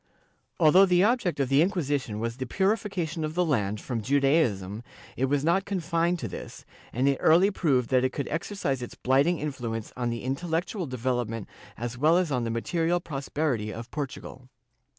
Although the object of the Inquisition was the purification of the land from Judaism, it was not confined to this, and it early proved that it could exercise its blighting influence on the intel lectual development as well as on the material prosperity of Portugal.